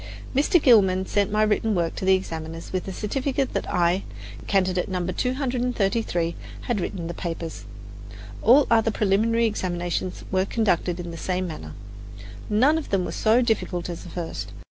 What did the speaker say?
Mr. Gilman sent my written work to the examiners with a certificate that I, candidate No. 233, had written the papers. All the other preliminary examinations were conducted in the same manner. None of them was so difficult as the first.